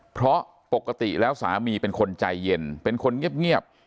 เพราะปกติแล้วสามีเป็นคนใจเย็นเป็นคนเงียบ